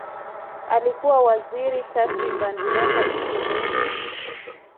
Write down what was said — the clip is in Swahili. Alikuwa waziri takribani miaka ishirini